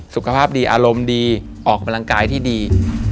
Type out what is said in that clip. สุขภาพดีอารมณ์ดีออกกำลังกายที่ดี